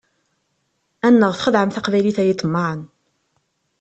Annaɣ txedɛem taqbaylit ay iḍemmaɛen!